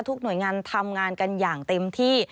หน่วยงานทำงานกันอย่างเต็มที่